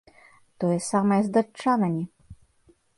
Тое самае з датчанамі.